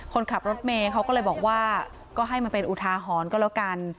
คนขับรถเมย์เขาก็เลยบอกว่าก็ให้มันเป็นอุทาหรณ์ก็แล้วกัน